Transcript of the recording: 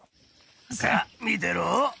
さあ、見てろ。